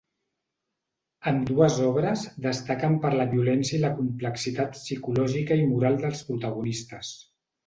Ambdues obres destaquen per la violència i la complexitat psicològica i moral dels protagonistes.